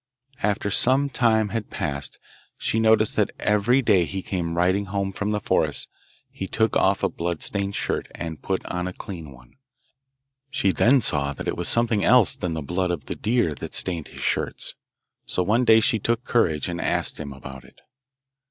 After some time had passed she noticed that every day he came riding home from the forest he took off a blood stained shirt and put on a clean one. She then saw that it was something else than the blood of the deer that stained his shirts, so one day she took courage and asked him about it.